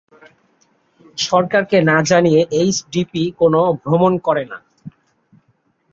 সরকারকে না জানিয়ে এইচডিপি কোনো ভ্রমণ করে না।